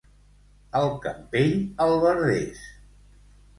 Al Campell, albarders.